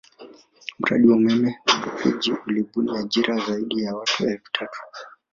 Mradi wa umeme wa Rufiji ulibuni ajira ya zaidi ya elfu tatu